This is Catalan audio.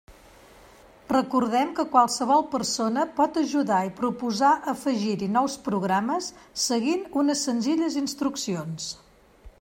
Recordem que qualsevol persona pot ajudar i proposar afegir-hi nous programes seguint unes senzilles instruccions.